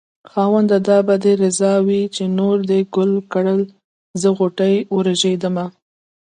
خاونده دا به دې رضا وي چې نور دې ګل کړل زه غوټۍ ورژېدمه